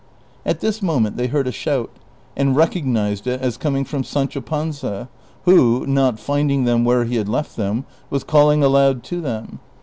At this moment they heard a shout, and recognized it as coming from Sancho Panza, who, not finding them where he had left them, was calling aloud to them.